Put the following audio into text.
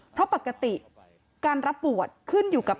เพราะปกติการรับบวชขึ้นอยู่กับ